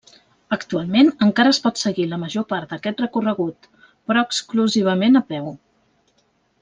Actualment encara es pot seguir la major part d'aquest recorregut, però exclusivament a peu.